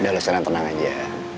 udah lo senang tenang aja